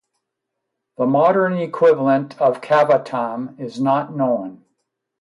The modern equivalent of kavatam is not known.